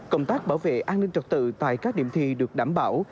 công tác bảo vệ an ninh trật tự tại các điểm thi được đảm bảo